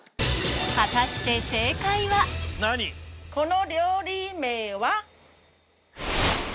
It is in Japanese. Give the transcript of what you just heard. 果たしてこの料理名は。